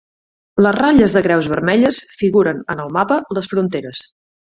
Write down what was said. Les ratlles de creus vermelles figuren, en el mapa, les fronteres.